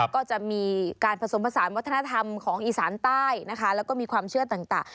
ก็จะมีการผสมผสานวัฒนธรรมของอีสานใต้นะคะแล้วก็มีความเชื่อต่าง